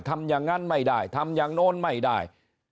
ทำอย่างนั้นไม่ได้ทำอย่างโน้นไม่ได้